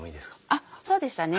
あっそうでしたね。